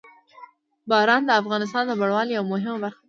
باران د افغانستان د بڼوالۍ یوه مهمه برخه ده.